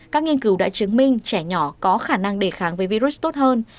các nghiên cứu đã chứng minh trẻ nhỏ có khả năng đề kháng với virus tốt hơn